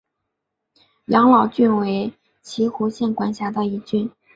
养老郡为岐阜县管辖的一郡。